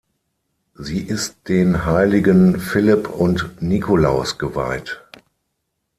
Sie ist den Heiligen Philipp und Nikolaus geweiht.